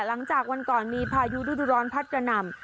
หลังจากวันก่อนมีพายุฤดูร้อนพัดกระหน่ำ